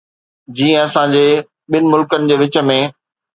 جيئن اسان جي ٻن ملڪن جي وچ ۾.